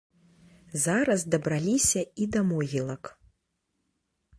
Зараз дабраліся і да могілак.